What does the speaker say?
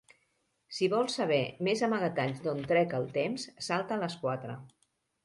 Si vols saber més amagatalls d'on trec el temps, salta a les quatre.